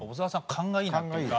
勘がいいなっていうか。